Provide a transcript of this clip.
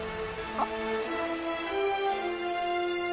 あっ。